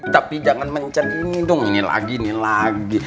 tapi jangan mencan ini dong ini lagi ini lagi